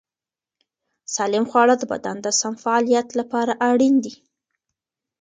سالم خواړه د بدن د سم فعالیت لپاره اړین دي.